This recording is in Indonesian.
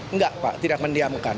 enggak pak tidak mendiamkan